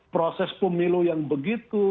proses pemilu yang begitu